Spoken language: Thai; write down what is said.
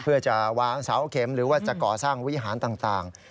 เพื่อจะวางเสาเข็มหรือว่าจะก่อสร้างวิหารต่าง